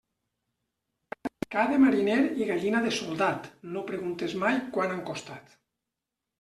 Ca de mariner i gallina de soldat, no preguntes mai quant han costat.